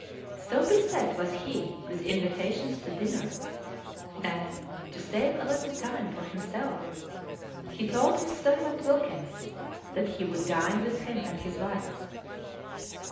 So beset was he with invitations to dinner, that, to save a little time for himself, he told his servant Wilkins, that he would dine with him and his wife.